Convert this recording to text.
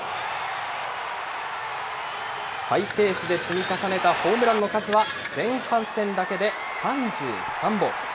ハイペースで積み重ねたホームランの数は、前半戦だけで３３本。